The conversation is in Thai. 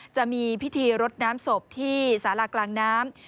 จะมีพิธีรดน้ำศพที่สารากลางน้ำ